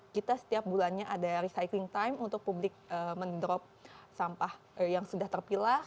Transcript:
kita setiap bulannya ada recycling time untuk publik mendrop sampah yang sudah terpilah